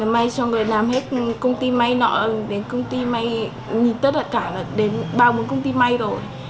may xong rồi làm hết công ty may nọ đến công ty may nhìn tất cả là đến bao bốn công ty may rồi